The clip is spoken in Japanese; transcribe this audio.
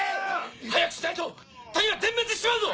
早くしないと谷は全滅しちまうぞ！